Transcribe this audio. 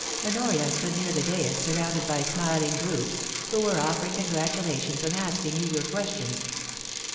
Honoria stood near the dais surrounded by smiling groups, who were offering congratulations and asking eager questions.